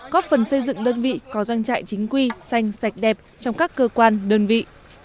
góp phần xây dựng đơn vị có doanh trại chính quy xanh sạch đẹp trong các cơ quan đơn vị